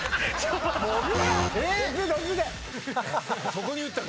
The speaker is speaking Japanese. そこに打ったか。